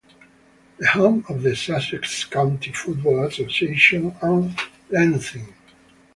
The home of the Sussex County Football Association and Lancing.